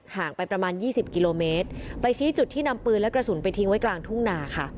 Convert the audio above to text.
ห่างไปประมาณยี่สิบกิโลเมตรไปชี้จุดที่นำปืนและกระสุนไปทิ้งไว้กลางทุ่งนาค่ะ